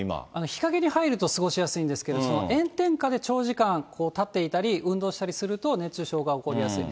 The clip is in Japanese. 日陰に入ると過ごしやすいんですけど、炎天下で長時間立っていたり、運動したりすると、熱中症が起こりやすい。